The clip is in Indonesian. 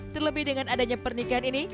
terlebih dengan adanya pernikahan ini